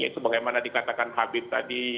sebagaimana dikatakan habib tadi